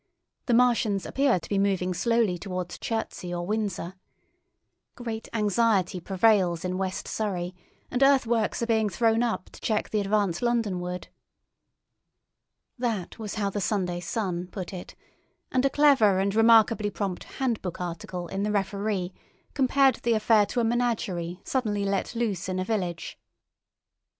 The Martians appear to be moving slowly towards Chertsey or Windsor. Great anxiety prevails in West Surrey, and earthworks are being thrown up to check the advance Londonward." That was how the Sunday Sun put it, and a clever and remarkably prompt "handbook" article in the Referee compared the affair to a menagerie suddenly let loose in a village.